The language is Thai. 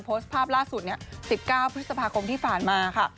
โพสต์ภาพล่าสุดเนี้ยสิบเก้าพฤษภาคมที่ฝ่านมาค่ะ